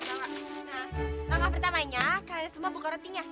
langkah pertamanya kalian semua buka rotinya